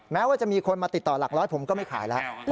แม้ว่าจะมีคนมาติดต่อหลักร้อยผมก็ไม่ขายแล้ว